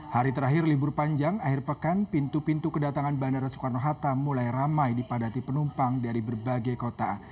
hari terakhir libur panjang akhir pekan pintu pintu kedatangan bandara soekarno hatta mulai ramai dipadati penumpang dari berbagai kota